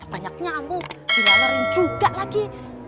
banyak nyambung juga lagi